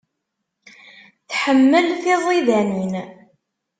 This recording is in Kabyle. Tḥemmel tiẓidanin.